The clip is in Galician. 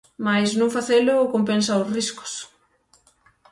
Mais non facelo compensa os riscos.